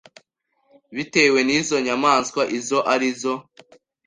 bitewe n’zo nyamaswa izo arizo.